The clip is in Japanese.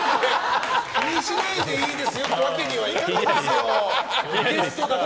気にしないでいいですよってわけには、いかないですよ！